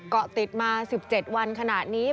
เกาะติดมา๑๗วันขณะนี้